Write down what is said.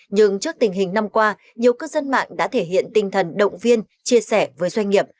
nhưng trước tình hình năm qua nhiều cư dân mạng đã thể hiện tinh thần động viên chia sẻ với doanh nghiệp